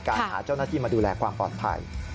หาเจ้าหน้าที่มาดูแลความปลอดภัย